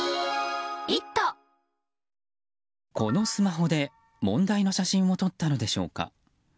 このスマホで問題の写真を撮ったのでしょうか。